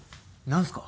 何すか？